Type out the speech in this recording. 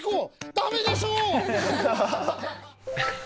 ダメでしょ！